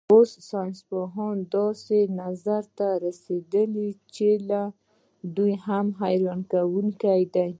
خو اوس ساینسپوهان داسې نظر ته رسېدلي چې له دې هم حیرانوونکی دی.